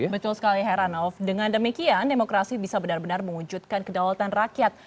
betul sekali heranov dengan demikian demokrasi bisa benar benar mewujudkan kedaulatan rakyat